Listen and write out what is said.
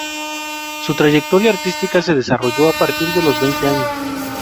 Su trayectoria artística se desarrolló a partir de los veinte años.